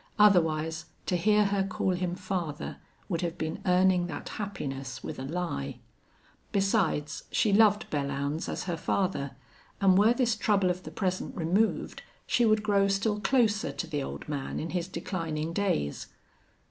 Otherwise, to hear her call him father would have been earning that happiness with a lie. Besides, she loved Belllounds as her father, and were this trouble of the present removed she would grow still closer to the old man in his declining days.